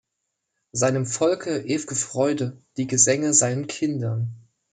Seinem Volke ew’ge Freude, die Gesänge seinen Kindern.